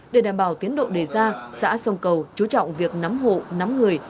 để đảm bảo tiến độ đề ra xã sông cầu chú trọng việc nắm hộ nắm người